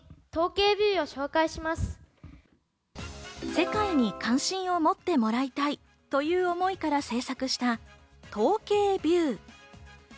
世界に関心を持ってもらいたいという思いから制作した「とうけいビュー」。